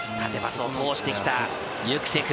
縦パスを通してきたユクセク。